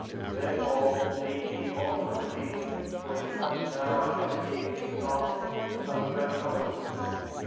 48. Therefore be ye also ready, for in such an hour as ye think not, the Son of Man cometh.